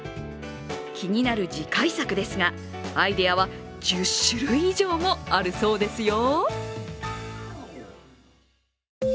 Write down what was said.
気になる次回作ですがアイデアは１０種類以上もあるそうですよ。